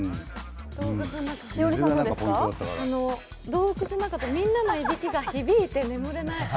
洞窟の中って、みんなのいびきが響いて眠れない。